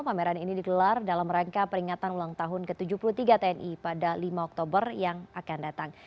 pameran ini digelar dalam rangka peringatan ulang tahun ke tujuh puluh tiga tni pada lima oktober yang akan datang